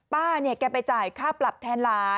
ป้าเนี่ยแกไปจ่ายค่าปรับแทนหลาน